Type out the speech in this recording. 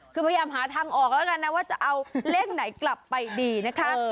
คือพยายามหาทางออกแล้วกันนะว่าจะเอาเลขไหนกลับไปดีนะคะ